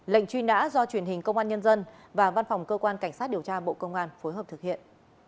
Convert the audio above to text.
lệnh truy nã do truyền hình công an nhân dân và văn phòng cơ quan cảnh sát điều tra bộ công an phối hợp thực hiện